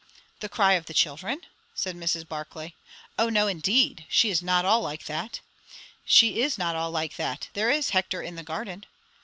"The 'Cry of the Children'?" said Mrs. Barclay. "O no, indeed! She's not all like that." "She is not all like that. There is 'Hector in the Garden.'"